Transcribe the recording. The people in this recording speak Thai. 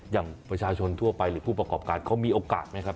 อย่างประชาชนทั่วไปหรือผู้ประกอบการเขามีโอกาสไหมครับ